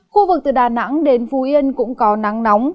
khu vực từ đà nẵng đến phú yên cũng có nắng nóng